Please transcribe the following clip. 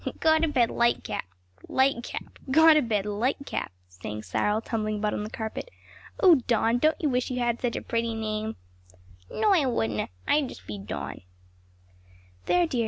"Gotobed Lightcap! Lightcap! Gotobed Nightcap!" sang Cyril, tumbling about on the carpet. "O Don, don't you wish you had such a pretty name?" "No, I wouldna; I just be Don."